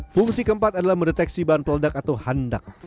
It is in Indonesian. fungsi keempat adalah mendeteksi bahan peledak atau handak